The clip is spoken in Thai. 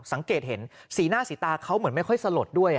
สังเกตเห็นสีหน้าสีตาเขาเหมือนไม่ค่อยสลดด้วย